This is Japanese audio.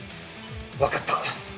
わかった。